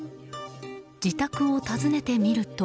自宅を訪ねてみると。